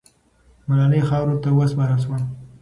ملالۍ خاورو ته وسپارل سوه.